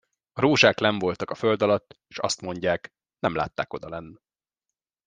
A rózsák lenn voltak a föld alatt, s azt mondják; nem látták odalenn.